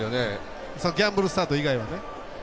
ギャンブルスタート以外はね。